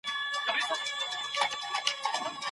ځان پیاوړی کړئ او سپورت وکړئ.